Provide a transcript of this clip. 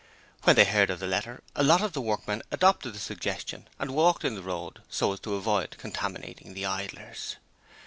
When they heard of the letter a lot of the workmen adopted the suggestion and walked in the road so as to avoid contaminating the idlers.